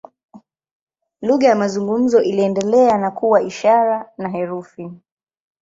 Lugha ya mazungumzo iliendelea na kuwa ishara na herufi.